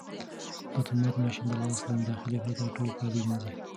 دا اتومات ماشین د لاس له مداخلې پرته ټول کالي مینځي.